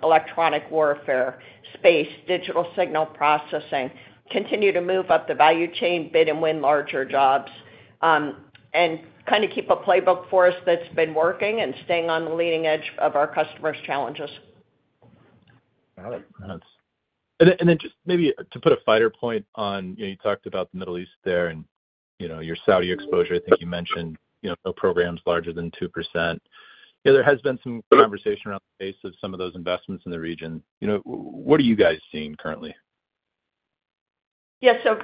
electronic warfare, space, digital signal processing continue to move up the value chain, bid and win larger jobs, and kind of keep a playbook for us that's been working and staying on the leading edge of our customers' challenges. Got it. And then just maybe to put a finer point on, you know, you talked about the Middle East there and, you know, your Saudi exposure. I think you mentioned, you know, no program's larger than 2%. You know, there has been some conversation around the pace of some of those investments in the region. You know, what are you guys seeing currently? Yeah. So,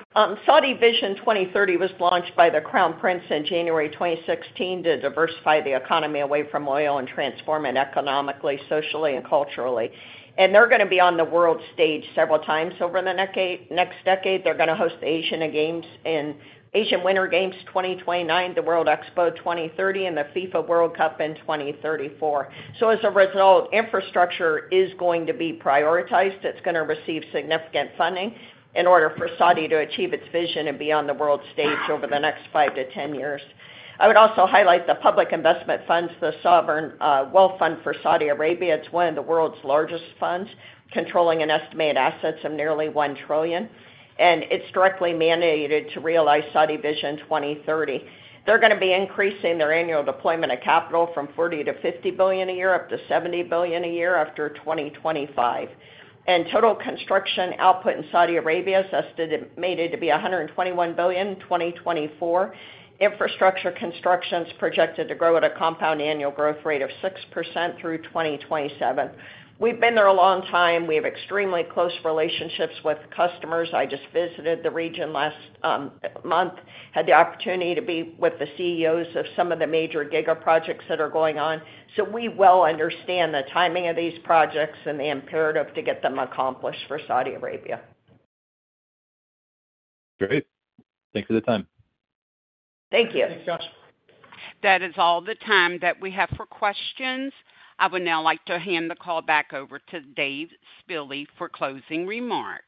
Saudi Vision 2030 was launched by the Crown Prince in January 2016 to diversify the economy away from oil and transform it economically, socially, and culturally. And they're gonna be on the world stage several times over the next decade. They're gonna host the Asian Games in Asian Winter Games 2029, the World Expo 2030, and the FIFA World Cup in 2034. So as a result, infrastructure is going to be prioritized. It's gonna receive significant funding in order for Saudi to achieve its vision and be on the world stage over the next 5-10 years. I would also highlight the Public Investment Fund, the sovereign wealth fund for Saudi Arabia. It's one of the world's largest funds, controlling an estimated assets of nearly $1 trillion, and it's directly mandated to realize Saudi Vision 2030. They're gonna be increasing their annual deployment of capital from $40 billion-$50 billion a year, up to $70 billion a year after 2025. And total construction output in Saudi Arabia is estimated to be $121 billion in 2024. Infrastructure construction is projected to grow at a compound annual growth rate of 6% through 2027. We've been there a long time. We have extremely close relationships with customers. I just visited the region last month, had the opportunity to be with the CEOs of some of the major giga projects that are going on. So we well understand the timing of these projects and the imperative to get them accomplished for Saudi Arabia. Great. Thanks for the time. Thank you. Thanks, Josh. That is all the time that we have for questions. I would now like to hand the call back over to Dave Spille for closing remarks.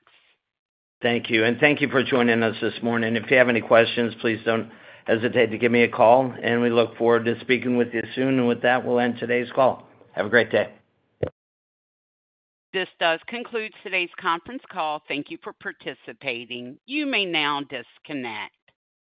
Thank you, and thank you for joining us this morning. If you have any questions, please don't hesitate to give me a call, and we look forward to speaking with you soon. With that, we'll end today's call. Have a great day. This does conclude today's conference call. Thank you for participating. You may now disconnect.